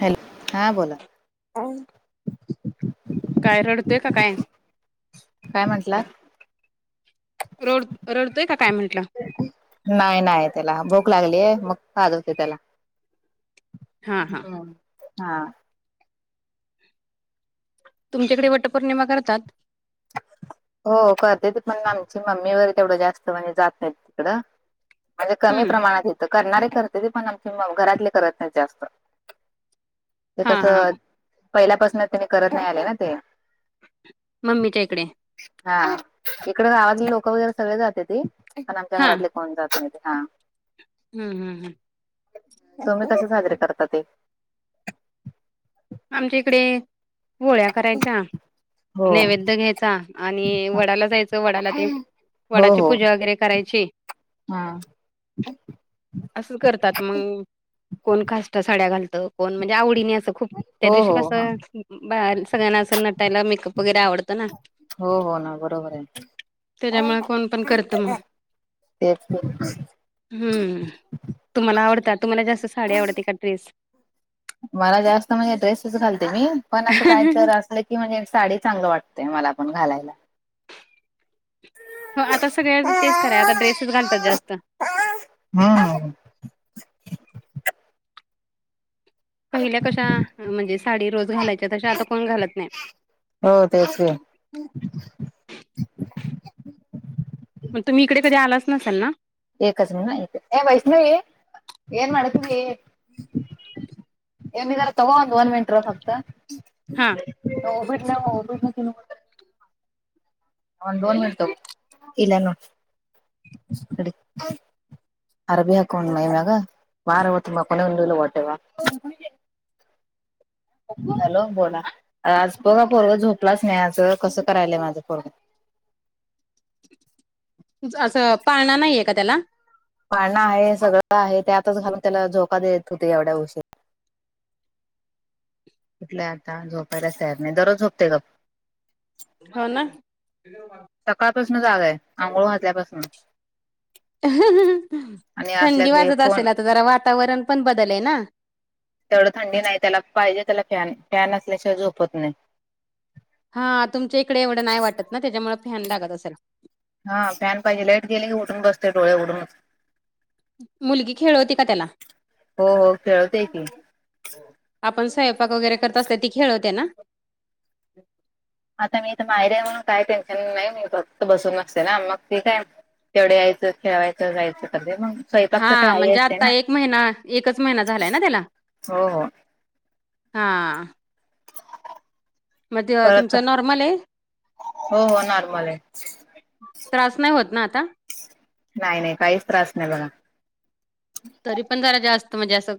Hello! हा बोला. काय रडतंय का काय? काय म्हंटलात. रोड रडतोय का काय म्हंटला? नाही नाही, त्याला भूक लागलीय मग पाजवते त्याला. हा हा हम्म! हा. तुमच्याकडे वटपौर्णिमा करतात? हो करतेेत पण आमची मम्मी वगैरे तेवढं जास्त म्हणजे जात नाही तिकडं. म्हणजे कमी हम्म प्रमाणात येतं. करणारे करते ते पण आमचे घरातले करत नाही जास्त ते हा कस हा पहिल्यापासन त्यानी करत नाही आले ना ते. मम्मीच्या इकडे. हा इकडे गावातली लोक वगैरे सगळे जाते त पण आमच्या हा घरातले कोण जात नाहीत हा. हम्! हम्! हम. तुम्ही कसे साजरे करतात ते? आमच्या इकडे पोळ्या करायच्या हो नैवेद्य घ्यायचा आणि वडाला जायचं वडाला ते हो वडाची हो पूजा वगैरे करायची. हा. असं करतात मग कोण कासटा साड्या घालतं, कोण म्हणजे आवडीने असं खूप त्या हो दिवशी हो कसं बा सगळ्यांना असं नटायला मेकअप वगैरे आवडतो ना? हो हो ना, बरोबर त्याच्यामुळे कोण पण करतं मग आहे. तेच की. हम्म! तुम्हाला आवडतात तुम्हाला जास्त साडी आवडते का ड्रेस. मला जास्त म्हणजे ड्रेसच घालते मी पण असं काय तर अस की म्हणजे साडी चांगलं वाटतेय मला पण घालायला. हो आता सगळ्या तेच कराय आता ड्रेसेस घालतात जास्त. ह ह. पहिल्या कशा म्हणजे साडी रोज घालायच्या, तशा आता कोण घालत नाही. हो तेच की. मग तुम्ही इकडे कधी आलाच नसाल ना? एककच ना ए वैष्णवी येन मती येनार तगोंद वन मिनट र फक्त. हा. हो गं बीडन, होगा बीड ना [unintelligible] न दोन मिनट इला न [unintelligible] अरबी हाकोण मम्याग वार होत मग कोनेला टेवा. हॅलो! बोला आज बघा पोरग झोपलाच नाहीचं कसं करायलय माझं पोरग. असं पाळणं नाहीये का त्याला? पाळणा आहे, सगळं आहे, त्यातच घालून त्याला झोका देत होते एवढ्या उशीर. कुठल्या आता झोपायच तयार नाही दररोज झोपते गप. हो ना. सकाळपासून जागा आहे आंघोळ घातल्यापासून. आणि थंडी असल्यात हे वाजत फोन असेल, आता जरा वातावरण पण बदल आहे ना. तेवढं थंडी नाही, त्याला पाहिजे त्याला फॅन- फॅन असल्याशिवाय झोपत नाही. हा तुमच्या इकडे एवढं नाही वाटत ना त्याच्यामुळे फॅन लागत असेल. हा फॅन पाहिजे, लाईट गेली की उठून बसते डोळे उघडून मुलगी खेळवती का त्याला? हो हो खेळवते की आपण स्वयंपाक वगैरे करत असत ती खेळवते ना. आता मी तर माहेरी आहे म्हणून काय टेन्शन नाही मी फक्त बसून असते ना मग ती काय. तेवढ्या यायचं खेळावाच. जायचं कधी मग स्वयंपाकच काय हा आई म्हणजे असते आता ना. एक महिना एकच महिना झालाय ना हो हो हां मध्ये तेव्हा परत तुमचं नॉर्मल आहे. हो हो नॉर्मल आहे त्रास नाही होत ना आता. नाही नाही काहीच त्रास नाही बघा. तरी पण जरा जास्त म्हणजे असं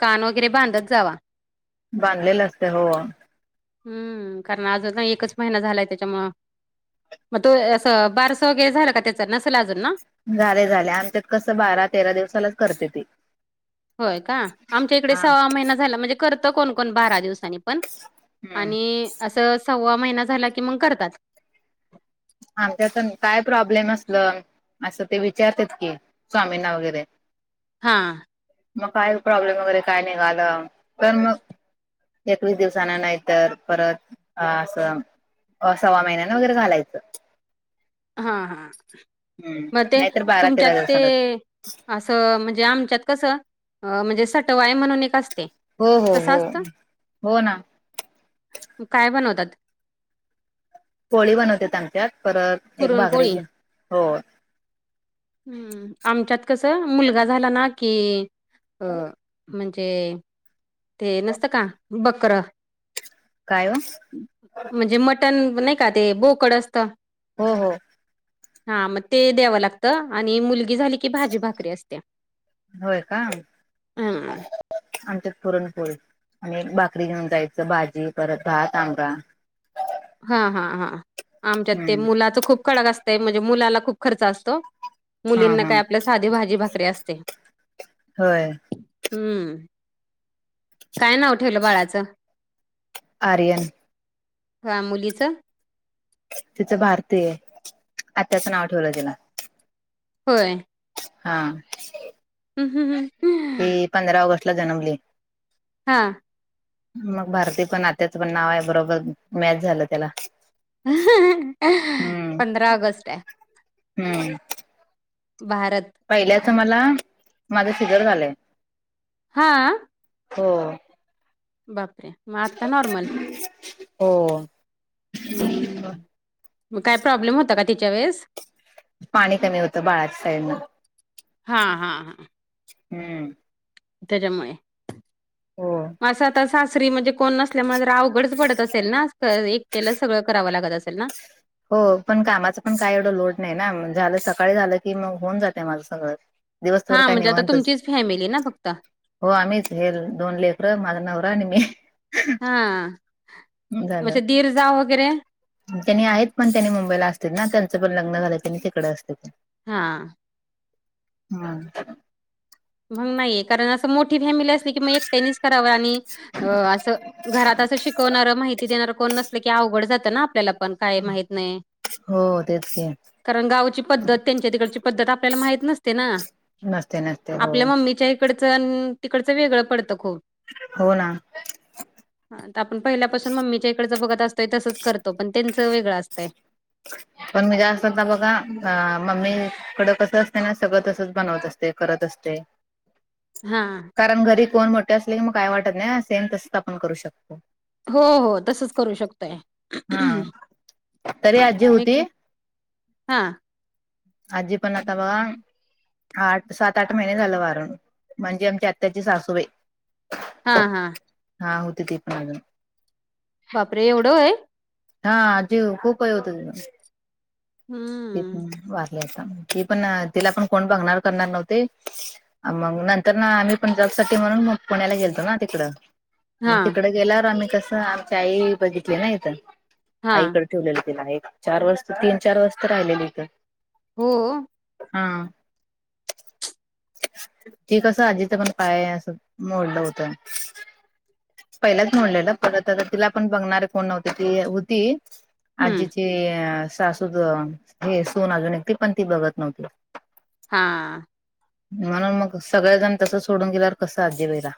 कान वगैरे बांधत जावा. बांधलेलं असतय हो. हम्म कारण आज एकच महिना झालाय त्याच्यामुळं, मग तो असं बारस वैगरे झाल का त्याचा नसल अजून ना. झालय झालय आमच्यात कसं बारा तेरा दिवसालाच करत्या ती होय का आमच्या इकडे हा सव्वा महिना झाला म्हणजे करतं कोण कोण बारा दिवसांनी पण. हम्म आणि असं सव्वा महिना झाला की मग करतात. आमच्यात काय प्रॉब्लेम असलं. असं ते विचारतात की स्वामींना वगैरे, हा. मग काय प्रॉब्लेम वगैरे काय निघालं तर मग, एकवीस दिवसाांना नाहीतर परत अ असं. सव्वा महिन्याने वगैरे घालायंच. हा हा हम्म मग ते नाहीतर बारा तेरा तुमच्यात ते, दिवसानच असं म्हणजे आमच्यात कसं म्हणजे सटवाई म्हणून एक असते. हो तसं हो, असतं हो ना. मग काय बनवतात. पोळी बनवत्यात आमच्यात परत. एक भाकरी पुरणपोळी. घेऊन हो हम् आमच्यात कसं मुलगा झाला ना की, अ म्हणजे ते नसतं का बकर, काय हो म्हणजे मटण नाही का ते बोकड असत. हो हो. हा मग ते द्यावं लागतं. आणि मुलगी झाली की भाजी भाकरी असत्या. होय का. हम्म आमच्यात पुरणपोळी आणि भाकरी घेऊन जायचं भाजी परत भात आंबा हा हा हा आमच्यात ते हम्म मुलाच खूप कडक असतंय, म्हणजे मुलाला खूप खर्च असतो. हा मुलींना हा काय आपल्या साधी भाजी भाकरी असते. होय हम्म काय नाव ठेवलं बाळाचं? आर्यन. हं मुलीचं? तिचं भारती आत्याचं नाव ठेवलंय तिला. होय. हां. हम् हम् ती पंधरा ऑगस्ट ला जन्मली. हां. मग भारती पण आत्याच पण नाव आहे बरोबर मॅच झालं त्याला, [unintelligible] हम्म पंधरा ऑगस्ट हाय. हम्म भारत पहिल्याच मला माझं फिगर झालंय हा हो बापरे मग आत्ता नॉर्मल हो हम्म मग काय प्रॉब्लेम होता का तिच्या वेळेस पाणी कमी होतं बाळाच्या साईडनं हां हां हां हम्म त्याच्यामुळे हो मग असं आता सासरी म्हणजे कोण नसल्यामुळे अवघडच पडत असेल ना एकटेला सगळं करावं लागत असेल ना हो पण कामाचं पण काय एवढं लोड नाही ना झालं सकाळी झालं की मग होऊन जाते माझं सगळं हा दिवसभर काय म्हणजे आता निवांतच तुमचीच फॅमिली ना फक्त हो आम्हीच हे दोन लेख र माझं नवररा आणि मी हा झालं त्यांनी आहेत पण त्यांनी मुंबईला असते ना त्यांचं पण लग्न झालं त्यांनी तिकडे असते हा हम् मग नाहीये कारण असं मोठी फॅमिली असली की मग एक टेनिस करावं आणि अ असं घरात असं शिकवणार माहिती देणार कोण नसल की अवघड जातं ना आपल्याला पण काय माहत नाही हो तेच ये कारण गावची पद्धत त्यांच्या तिकडची पद्धत आपल्याला माहित नसते ना नस्ते न आपल्या मम्मीच्या इकडचं तिकडचं वेगळं पडतं खूप हो ना [inaudible] ह आपण पहिल्यापासून मम्मीच्या इकडच बघत असतोय तसंच करतो पण त्यांचं वेगळं असतंय पण मी जास्त हो ना बघा अ मम्मी कडं कसं असते ना सगळं तसच बनवत असते करत असते हा कारण घरी कोण मोठे असले की मग काय वाटत नाही असेम तस आपण करू शकतो हो हो तसच करू शकतय हा तरी आजी होती वेगळे हा अज्जी पणा तवा आठ सात आठ महिने झालं वारून म्हणजे आमच्या आत्याची सासूबाई हा हा हा होते दीपणाून बापरे एवढं आहे हा जीव खूप काही होत तुमही त हम्म वालेता ती पण तिला पण कोण बघणार करणार नव्हते मग नंतर ना आम्ही पण जलसाठी म्हणून मग पुण्याला गेलतो ना तिकडं हा मग तिकड गेल्यावर आम्ही कसं आमच्या आई बघितली ना इथं हा आईकड ठेवलेलं तिला एक चार वाज तीन चार वज तर राहिलेली इथं हो हा ठीकस आजीच पण काय असं मोडलं होतं पहिल्याच म्हडलेलं परत आ तिला पण बघणारे कोण नव्हती ती होती हम्म आजीची सासूद हे सून अजून एक त पण ती बघत नव्हती. हा. म्हणून मग सगळेजण तस सोडून गेल्यावर कसं आजी वेला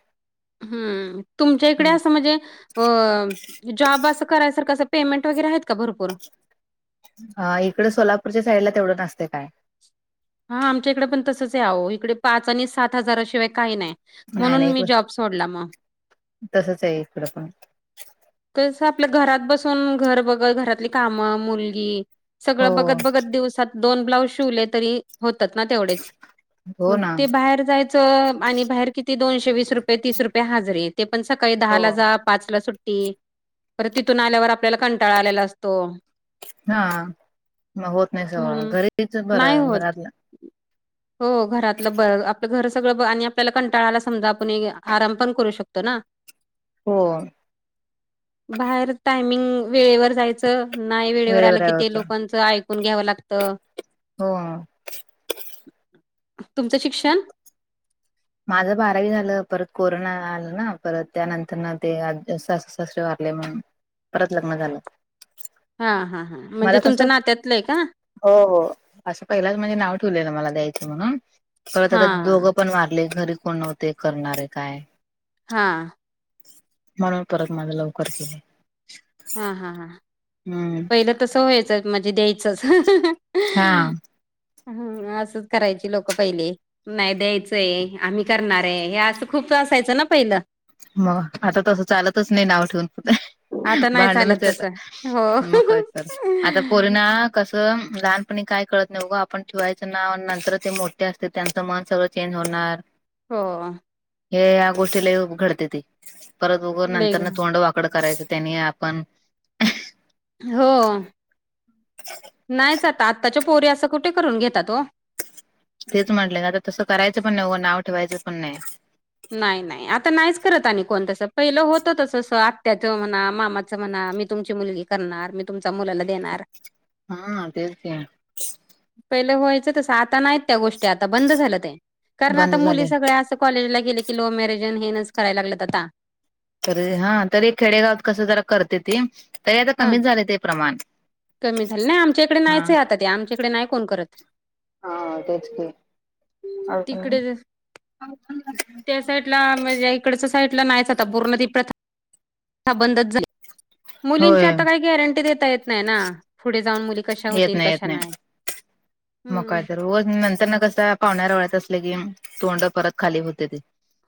हम्म तुमच्या इकडे असं म्हणजे अ जॉब असं करायसारखं असं, पेमेंट वगैरे आहेत का भरपूर. ह इकडे सोलापूरच्या साईड ला तेवढं नसते काय? हा आमच्या इकडे पण तसंच आहे, आहेहो इकडे पाच आणि सात हजाराशिवाय काही नाही. नाही म्हणून मी नाही जॉब सोडला मग. तसच आहे इकडं पण. कसं आपल्या घरात बसून घर बघल घरातली कामं मुलगी. हो सगळं बघत बघत दिवसात दोन ब्लाऊज शिवले तरी होतात ना तेवढेच. हो मग ना ते बाहेर जायचं, आणि बाहेर किती दोनशे वीस रुपये तीस रुपये हजर आहेत. ते पण सकाळी दहा हो ला जा पाच ला सुट्टी, पर तिथून आल्यावर आपल्याला. तळा आलेला असतो. हा मग होत नाही सगळं म्हणून घरीच नाही बरं होत घरातलं. हो घरातलं ब आप घर सगळं, आणि आपल्याला कंटाळाला समजा, आपण आराम पण करू शकतो ना. हो. बाहेर टायमिंग वेळेवर जायचं. नाही वेळेवर आलं की ते लोकांच ऐकून घ्याव लागत. हो तुमचं शिक्षण. माझं बारावी झालं, परत कोरोना आलं ना, परत त्यानंतर ना ते सासर सासरे वरले म्हणून परत लग्न झालं. हा हा हां म्हणजे मला तुमच कसं नात्यातलंय का? हो असं पहिलाच म्हणजे नाव ठेवलेलं, मला द्यायचं म्हणून परत, हा आता दोघं पण मार आपले घरी कोण होते करणारे काय? हा. म्हणून परत माझं लवकर केलं. हा हा हा. हम्म. पहिलं तसं व्हायचं म्हणजे द्यायचंच. हा. हम् असंच करायची लोक पहिले. नाही द्यायचंय आम्ही करणार आहे, हे असं खूप त असायचं ना पहिलं. मग आता तसं चालतच नाही, नाव ठेवून पु आता नाही भांडणच चालत येत तसं हो मक तर आता. पोरीना कसं लहानपणी काय कळत नाही, बघं आपण ठिवायचं नाव नंतर ते मोठ. असते त्यांचं मन सगळं चेंज होणार. हो. हे या गोष्टीला घडते ती, परत वगर लय नंतर ग- तोंड वाकडं करायचं त्यानी आपण. हो नाहीच आता आत्ताच्या पोरी असं कुठे करून घेतात हो. तेच म्हटलं का आता तसं करायचं पण नाही उगं नाव ठेवायचं पण नाही. नाही नाही आता नाहीच करत, आ कोण तस पहिलं होत तस. त्याचं म्हणा मामाचं म्हणा मी तुमची मुलगी करणार मी तुमच्या मुलाला देणार. हा तेते. पहिलं व्हायचं तस आता नाहीत, त्या गोष्टी आता बंद झालं ते कारण बंद आता मुली झाले सगळ्या असं. कॉलेज ला गेले की लव्ह मॅरेजन हेच कराय लागलंत आता. तरी हा तरी खेडेगाव कसं जरा करते, ती तरी आता हा कमीच झाले ते प्रमाण. कमी झाले नाही आमच्याकडे हा नाहीच आहे, आता ते आमच्याकडे नाही कोण करत. हा तेच ते. तिकडे का [unintelligible] त्या साईडला म्हणजे इकडच साईडला नाहीच, आता पूर्ण ती प्रथा बंदच झाली. मुलींची होय आता काही गॅरंटी देता येत नाही, ना पुढे जाऊन मुली कशा होतील कशा नाही. म हम्म काय तर उगच नंतर ना कस पाहुण्यारावळ्यात असल की तोंड परत खाली होत्याती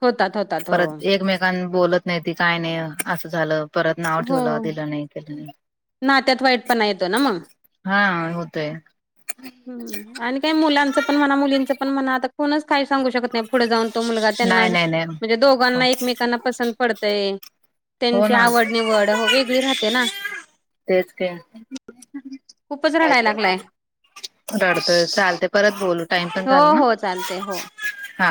होतात होतात हो परत एकमेकां बोलत नाही ती काय नाही असं झालं परत नाव ठेवलं हो दिलं नाही केलं नाही नात्यात वाईट पणा येतोय ना म हा होतय हम् आणि काही मुलांचं पण म्हणा मुलींच पण म्हणा आता कोणच काही सांगू शकत नाही पुढे जाऊन तो मुलगा त्यांना नाही नाही नाही म्हणजे हो दोघांना एकमेकांना पसंत पडतय हो त्यांची ना आवड निवड हो वेगळी राहते ना तेच की खूपच रडाय लागलाय रडतोय चालतय परत बोलू टाइम पण हो झाला ना हो चालते हो. हा